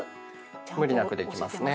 無理なくできますね。